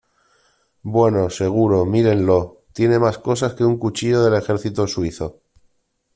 Bueno, seguro , mírenlo. Tiene más cosas que un cuchillo del ejército suizo .